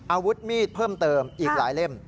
อาวุธมีดเพิ่มเติมอีกหลายเล่ม